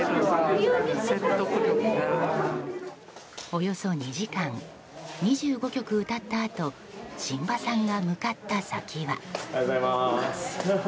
およそ２時間２５曲歌ったあと榛葉さんが向かった先は。